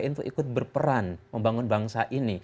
untuk ikut berperan membangun bangsa ini